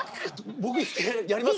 僕やりますから。